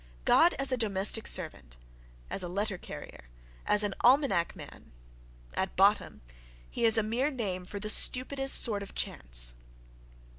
God as a domestic servant, as a letter carrier, as an almanac man—at bottom, he is a mere name for the stupidest sort of chance....